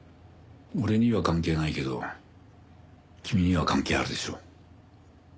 俺には関係ないけど君には関係あるでしょ。